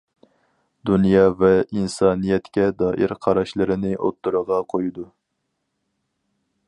دۇنيا ۋە ئىنسانىيەتكە دائىر قاراشلىرىنى ئوتتۇرىغا قويىدۇ.